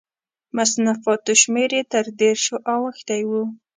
د مصنفاتو شمېر یې تر دېرشو اوښتی و.